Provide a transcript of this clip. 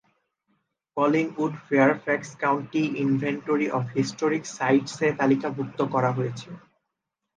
Collingwood Fairfax county inventory of historic sites এ তালিকাভুক্ত করা হয়েছে।